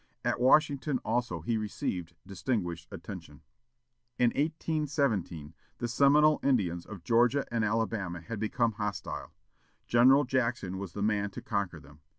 At Washington also he received distinguished attention. In 1817, the Seminole Indians of Georgia and Alabama had become hostile. General Jackson was the man to conquer them.